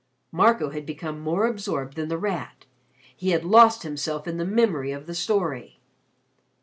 Marco had become more absorbed than The Rat. He had lost himself in the memory of the story.